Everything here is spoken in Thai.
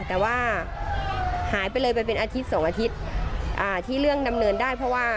แต่ว่าหายไปเลยไปเป็นอาทิตย์สองอาทิตย์ที่เรื่องดำเนินได้เพราะว่า